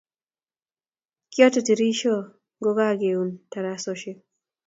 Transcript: Kiote tirishook ngokakeun tarasoshiek